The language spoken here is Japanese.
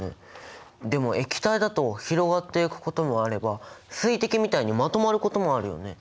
でも液体だと広がっていくこともあれば水滴みたいにまとまることもあるよね？